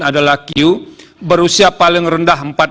adalah q berusia paling rendah